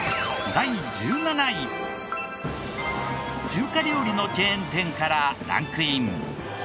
中華料理のチェーン店からランクイン。